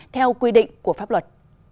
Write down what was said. theo quy định của pháp luật